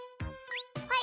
はい。